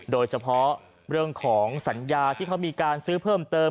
โดยเฉพาะเรื่องของสัญญาที่เขามีการซื้อเพิ่มเติม